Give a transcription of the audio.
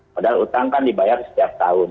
padahal utang kan dibayar setiap tahun